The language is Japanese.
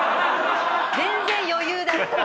全然余裕だった。